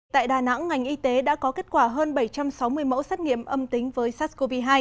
tại đà nẵng ngành y tế đã có kết quả hơn bảy trăm sáu mươi mẫu xét nghiệm âm tính với sars cov hai